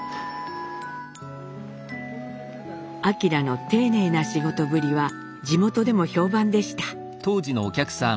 晃の丁寧な仕事ぶりは地元でも評判でした。